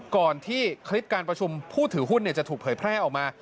ก่อนที่คลิปการประชุมผู้ถือหุ้นจะถูกเผยแพร่ออกมา